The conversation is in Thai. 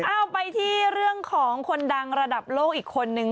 เอาไปที่เรื่องของคนดังระดับโลกอีกคนนึง